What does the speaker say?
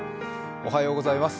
おはようございます。